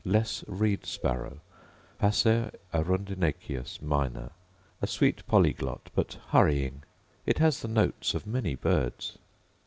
Less reed sparrow, Passer arundinaceus minor: A sweet polyglot, but hurrying: it has the notes of many birds.